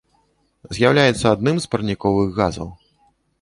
З'яўляецца адным з парніковых газаў.